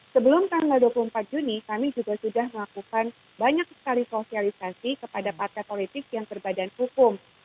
sebelum tanggal dua puluh empat juni kami juga sudah melakukan banyak sekali sosialisasi kepada partai politik yang berbadan hukum